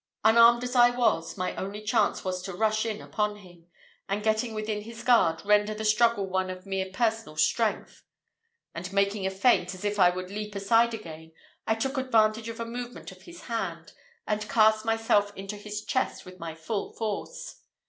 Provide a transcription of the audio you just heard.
Unarmed as I was, my only chance was to rush in upon him, and getting within his guard, render the struggle one of mere personal strength; and making a feint, as if I would leap aside again, I took advantage of a movement of his hand, and cast myself into his chest with my full force.